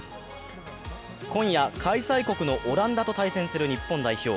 今夜、開催国のオランダと対戦する日本代表。